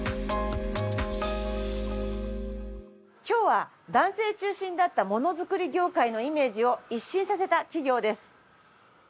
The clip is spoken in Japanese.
今日は男性中心だったものづくり業界のイメージを一新させた企業です。